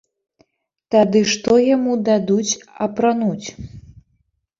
Тады што яму дадуць апрануць?